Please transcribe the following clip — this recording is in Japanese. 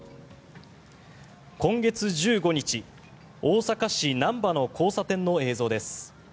今月１５日、大阪市・なんばの交差点の映像です。